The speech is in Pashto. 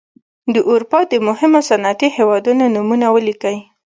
د اروپا د مهمو صنعتي هېوادونو نومونه ولیکئ.